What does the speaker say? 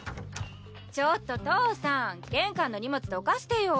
ちょっと父さん玄関の荷物どかしてよ。